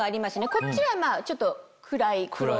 こっちはちょっと暗い。